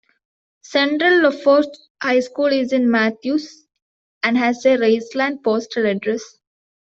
Central Lafourche High School is in Mathews, and has a Raceland postal address.